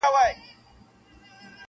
زموږ ادرس دي وي معلوم کنه ورکیږو-